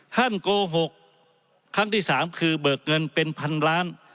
โกหกครั้งที่๓คือเบิกเงินเป็นพันล้าน